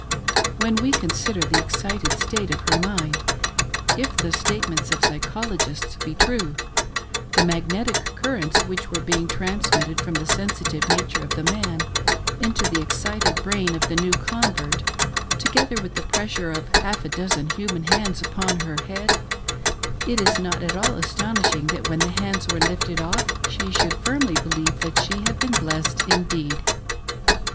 When we consider the excited state of her mind, and — if the statements of psychologists be true — the magnetic currents which were being transmitted from the sensitive nature of the man into the excited brain of the new convert, together with the pressure of half a dozen human hands upon her head, it is not at all astonishing that when the hands were lifted off she should firmly believe that she had been blessed indeed.